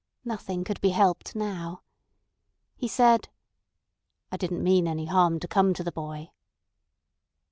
Nothing could be helped now. He said: "I didn't mean any harm to come to the boy."